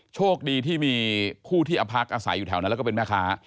โชคดีที่มีผู้ที่พักอาศัยอยู่แถวนั้นแล้วก็เป็นแม่ค้า